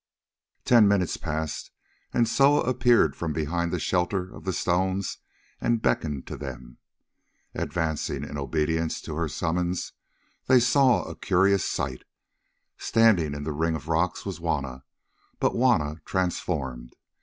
Ten minutes passed, and Soa appeared from behind the shelter of the stones and beckoned to them. Advancing in obedience to her summons, they saw a curious sight. Standing in the ring of rocks was Juanna, but Juanna transformed.